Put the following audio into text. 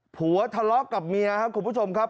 ผัวทะเลาะกับเมียครับคุณผู้ชมครับ